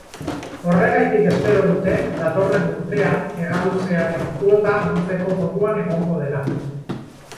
Horregatik espero dute, datorren urtean hegaluzearen kuota handitzeko moduan egongo dela.